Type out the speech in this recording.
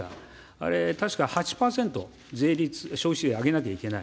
あれ、確か８％、税率、消費税上げなければいけない。